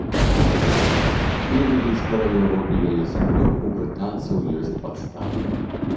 Не любіць каралеву і яе сям'ю ў брытанцаў ёсць падставы.